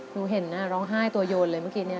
หนูเห็นนะร้องไห้ตัวโยนเลยเมื่อกี้เนี่ย